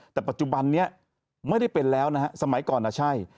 แต่ปัจจุบันนี้ไม่ได้เป็นแล้วนะฮะสมัยก่อนใช่